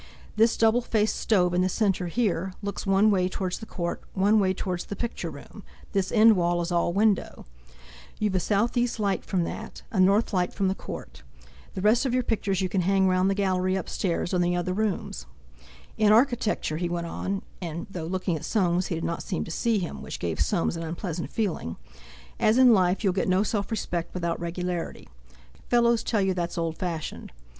This double faced stove in the centre, here, looks one way towards the court, one way towards the picture room; this end wall is all window; you've a southeast light from that, a north light from the court. The rest of your pictures you can hang round the gallery upstairs, or in the other rooms." "In architecture," he went on—and though looking at Soames he did not seem to see him, which gave Soames an unpleasant feeling—"as in life, you'll get no self respect without regularity. Fellows tell you that's old fashioned.